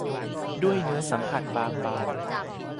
ด้วยเนื้อสัมผัสบางเบา